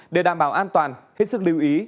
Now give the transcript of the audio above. để đảm bảo an toàn hết sức lưu ý